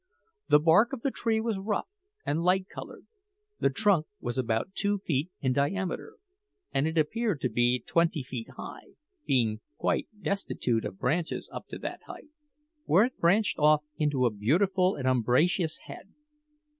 The bark of the tree was rough and light coloured; the trunk was about two feet in diameter, and it appeared to be twenty feet high, being quite destitute of branches up to that height, where it branched off into a beautiful and umbrageous head.